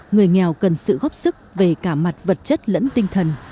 người nghèo cần sự góp sức về cả mặt vật chất lẫn tinh thần